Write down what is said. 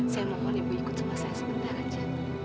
saya mohon ibu ikut cuma saya sebentar aja